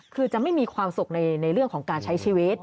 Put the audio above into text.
คือจะไม่มีความสุขในเรื่องของการใช้ชีวิต